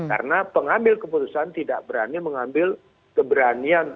karena pengambil keputusan tidak berani mengambil keberanian